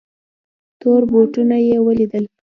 تور بوټونه یې ولیدل.